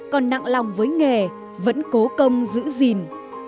còn nặng lòng với nghề vẫn cố công giữ gìn